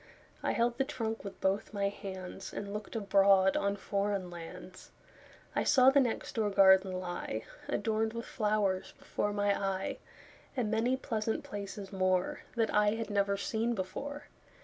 I held the trunk with both my handsAnd looked abroad on foreign lands.I saw the next door garden lie, Adorned with flowers, before my eye, And many pleasant places moreThat I had never seen before.